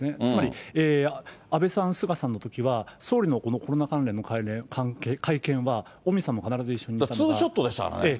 つまり安倍さん、菅さんのときは、総理のコロナ関連の会見は、尾身さんも必ず一緒にいましたから。